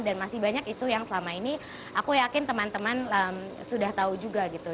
dan masih banyak isu yang selama ini aku yakin teman teman sudah tahu juga gitu